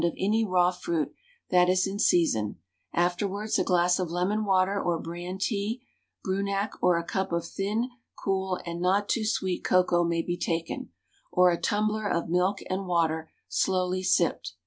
of any raw fruit that is in season; afterwards a glass of lemon water or bran tea, Brunak, or a cup of thin, cool, and not too sweet cocoa may be taken, or a tumbler of milk and water slowly sipped.